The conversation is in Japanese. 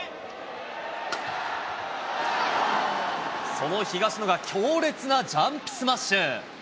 その東野が強烈なジャンプスマッシュ。